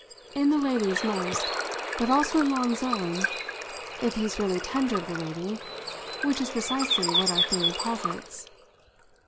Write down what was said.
"In the lady's most. But also in Long's own, if he's really tender of the lady which is precisely what our theory posits."